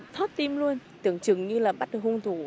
thoát tim luôn tưởng chừng như là bắt được hung thủ